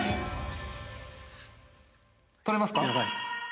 取れますか？